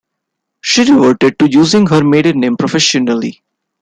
She reverted to using her maiden name professionally.